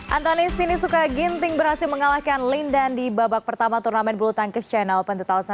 antoni sinisuka ginting berhasil mengalahkan lindan di babak pertama turnamen bulu tangkis china open dua ribu delapan belas